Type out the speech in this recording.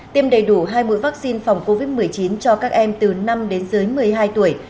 tiêm đầy đủ hai mũi vaccine phòng covid một mươi chín cho các em từ năm đến dưới một mươi hai tuổi